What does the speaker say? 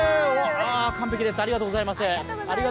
完璧です、ありがとうございます。